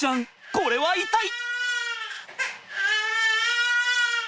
これは痛い！